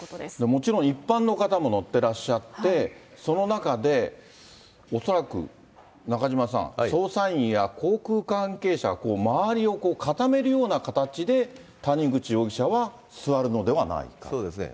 もちろん一般の方も乗ってらっしゃって、その中で、恐らく中島さん、捜査員や航空関係者が周りを固めるような形で谷口容疑者は座るのそうですね。